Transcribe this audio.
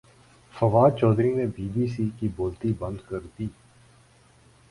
فواد چوہدری نے B B C کی بولتی بند کردی